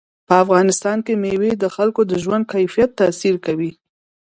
په افغانستان کې مېوې د خلکو د ژوند کیفیت تاثیر کوي.